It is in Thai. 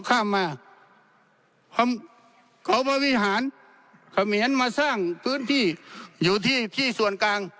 เขาประวิทยาลเขาเหมียนมาสร้างพื้นที่อยู่ที่ส่วนกลาง